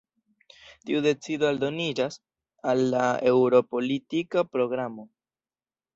Tiu decido aldoniĝas al la Eŭrop-politika Programo.